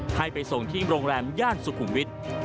ให้ไปส่งที่โรงแรมย่านสุขุมวิทย์